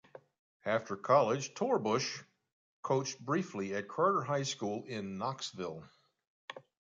After college, Torbush coached briefly at Carter High School in Knoxville.